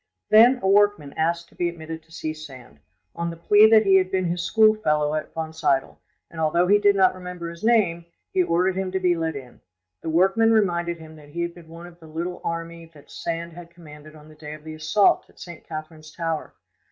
Then a workman asked to be admitted to see Sand, on the plea that he had been his schoolfellow at Wonsiedel, and although he did not remember his name, he ordered him to be let in: the workman reminded him that he had been one of the little army that Sand had commanded on the day of the assault of St. Catherine's tower.